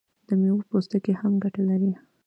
د میوو پوستکي هم ګټه لري.